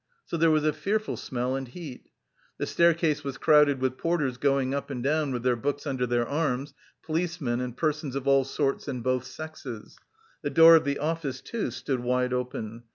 So there was a fearful smell and heat. The staircase was crowded with porters going up and down with their books under their arms, policemen, and persons of all sorts and both sexes. The door of the office, too, stood wide open.